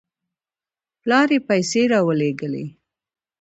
پلار یې پیسې راولېږلې.